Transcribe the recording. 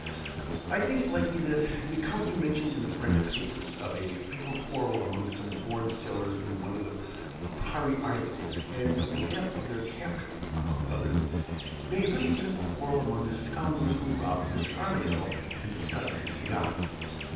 I think it likely that the account you mention in the French papers, of a fatal quarrel among some foreign sailors in one of the Lipari Islands, and of the death of their captain, among others, may really have been a quarrel among the scoundrels who robbed Mr. Armadale and scuttled his yacht.